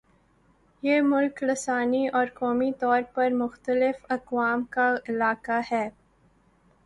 یہ ملک لسانی اور قومی طور پر مختلف اقوام کا علاقہ ہے